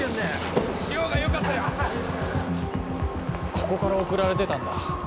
ここから送られてたんだ。